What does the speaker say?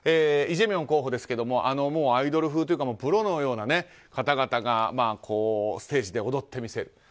イ・ジェミョン候補ですがアイドル風というかプロのような方々がステージで踊って見せる。